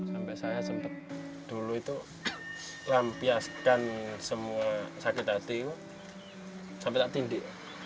sampai saya sempat dulu itu lampiaskan semua sakit hati sampai tak tindih